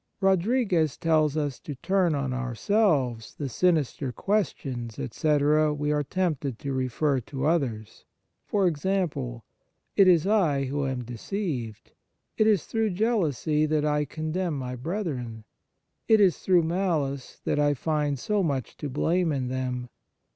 Rodriguez tells us to turn on ourselves the sinister questions, etc., we are tempted to refer to others e.g. :" It is I who am deceived. It is through jealousy that I condemn my brethren. It is through malice that I find so much to blame in them.